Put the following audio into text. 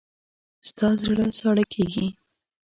ستا زړه ساړه کېږي.